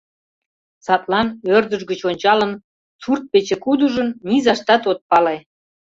Садлан, ӧрдыж гыч ончалын, сурт-пече кудыжын — низаштат от пале.